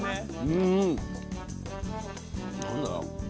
うん。何だ？